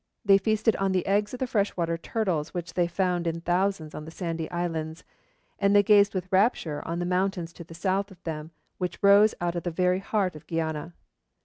They feasted on the eggs of the freshwater turtles which they found in thousands on the sandy islands, and they gazed with rapture on the mountains to the south of them which rose out of the very heart of Guiana.